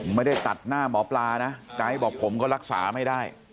ไม่ได้ตัดหน้าหมอปลานะไก๊บอกผมก็รักษาไม่ได้